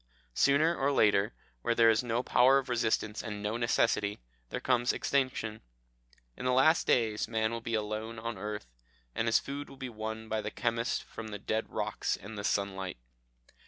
Sooner or later, where there is no power of resistance and no necessity, there comes extinction. In the last days man will be alone on the earth, and his food will be won by the chemist from the dead rocks and the sunlight.